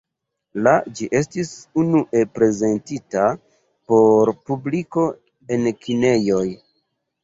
La ĝi estis unue prezentita por publiko en kinejoj.